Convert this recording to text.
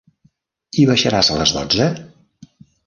I baixaràs a les dotze?